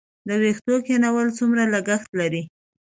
د ویښتو کینول څومره لګښت لري؟